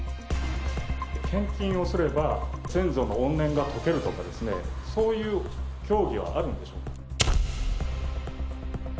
献金をすれば先祖の怨念が解けるとか、そういう教義はあるんでしょうか？